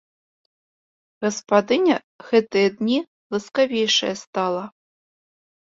Гаспадыня гэтыя дні ласкавейшая стала.